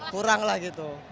kurang lah gitu